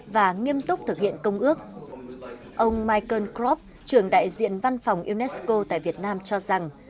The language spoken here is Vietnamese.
và nghiêm túc thực hiện công ước ông michael kropp trưởng đại diện văn phòng unesco tại việt nam cho rằng